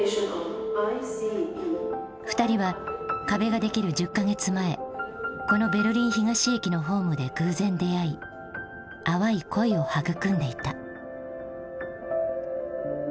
２人は壁が出来る１０か月前このベルリン東駅のホームで偶然出会い淡い恋を育んでいた。